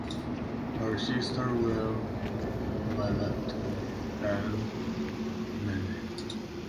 Her sisters were Melete and Mneme.